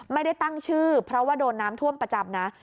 ไม่ได้ตั้งชื่อเพราะว่าโดนน้ำท่วมประจำนะ